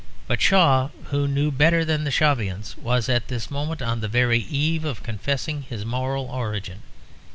But Shaw, who knew better than the Shavians, was at this moment on the very eve of confessing his moral origin.